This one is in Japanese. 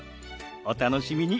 お楽しみに。